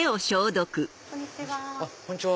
こんにちは。